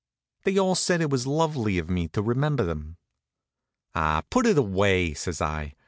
They all said it was lovely of me to remember 'em. "Ah, put it away!" says I.